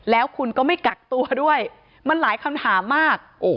แล้วคุณก็ไม่กักตัวด้วยมันหลายคำถามมาก